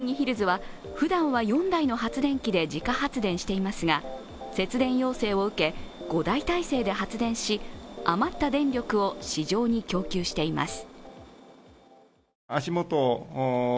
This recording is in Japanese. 六本木ヒルズはふだんは４台の発電機で自家発電していますが節電要請を受け、５台体制で発電し、余った電力を市場に供給しています。